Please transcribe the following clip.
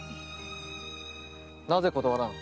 なぜ断らん？